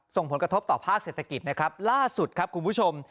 ส่งผลกระทบต่อภาคเศรษฐกิจนะครับล่าสุดครับคุณผู้ชม